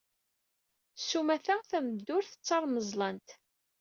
S umata, tameddurt d tarmeẓlant